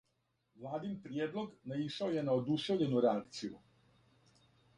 Владин приједлог наишао је на одушевљену реакцију.